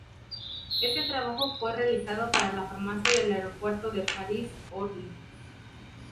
Este trabajo fue realizado para la farmacia del Aeropuerto de París-Orly.